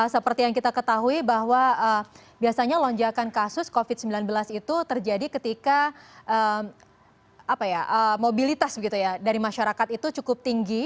seperti yang kita ketahui bahwa biasanya lonjakan kasus covid sembilan belas itu terjadi ketika mobilitas dari masyarakat itu cukup tinggi